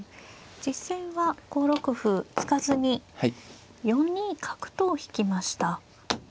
実戦は５六歩突かずに４二角と引きました。